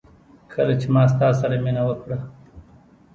کله چي ما ستا سره مينه وکړه